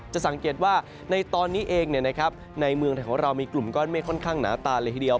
จะสังเกตว่าในตอนนี้เองในเมืองไทยของเรามีกลุ่มก้อนเมฆค่อนข้างหนาตาเลยทีเดียว